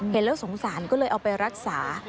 เห็นแล้วสงสารก็เลยเอาไปรักษา